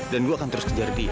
dan saya akan terus mengejar dia